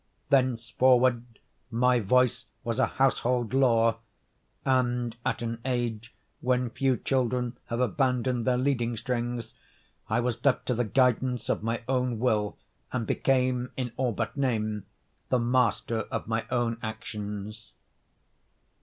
Thenceforward my voice was a household law; and at an age when few children have abandoned their leading strings, I was left to the guidance of my own will, and became, in all but name, the master of my own actions.